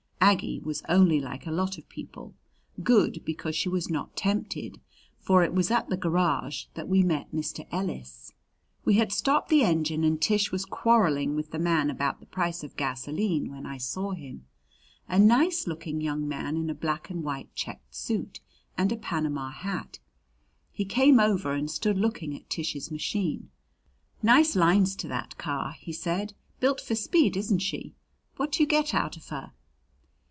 Aggie was only like a lot of people good because she was not tempted; for it was at the garage that we met Mr. Ellis. We had stopped the engine and Tish was quarreling with the man about the price of gasoline when I saw him a nice looking young man in a black and white checked suit and a Panama hat. He came over and stood looking at Tish's machine. "Nice lines to that car," he said. "Built for speed, isn't she? What do you get out of her?"